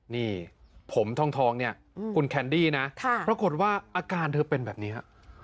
นี่ผมทองเนี่ยคุณแคนดี้นะปรากฏว่าอาการเธอเป็นแบบนี้ฮะ